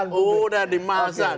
ini udah dimahas